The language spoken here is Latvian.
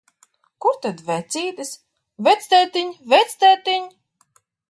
Kur tad vecītis? Vectētiņ, vectētiņ!